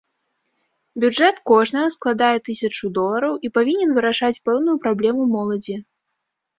Бюджэт кожнага складае тысячу долараў і павінен вырашаць пэўную праблему моладзі.